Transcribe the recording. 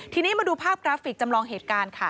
ทีนี้มาดูภาพกราฟิกจำลองเหตุการณ์ค่ะ